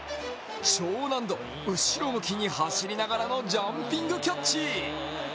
超難度、後ろ向きに走りながらのジャンピングキャッチ。